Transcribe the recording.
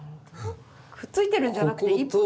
くっついてるんじゃなくて一本。